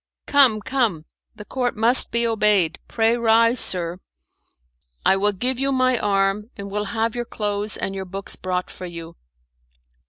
Come, come, the Court must be obeyed, pray rise, sir. I will give you my arm, and will have your clothes and your books brought for you."